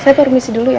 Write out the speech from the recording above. saya permisi dulu ya